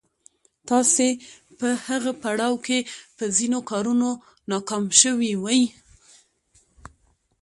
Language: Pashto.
تاسې په هغه پړاو کې په ځينو کارونو ناکام شوي وئ.